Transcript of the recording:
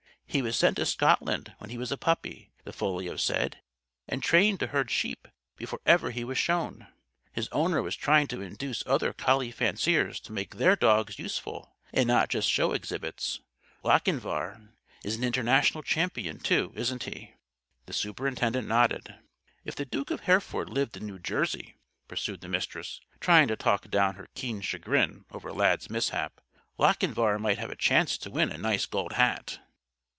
He was sent to Scotland when he was a puppy, the Folio said, and trained to herd sheep before ever he was shown. His owner was trying to induce other collie fanciers to make their dogs useful and not just Show exhibits. Lochinvar is an international champion, too, isn't he?" The Superintendent nodded. "If the Duke of Hereford lived in New Jersey," pursued the Mistress, trying to talk down her keen chagrin over Lad's mishap, "Lochinvar might have a chance to win a nice Gold Hat."